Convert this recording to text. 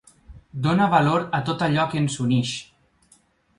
Dóna valor a tot allò que ens uneix.